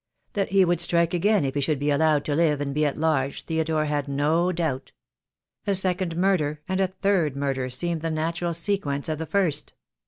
That he would strike again if he should be allowed to live and be at large Theodore had no doubt. A second murder, and a third murder, seemed the natural sequence of the first.